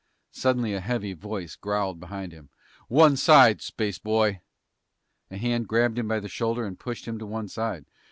Suddenly a heavy voice growled behind him. "One side, spaceboy!" A hand grabbed him by the shoulder and pushed him to one side.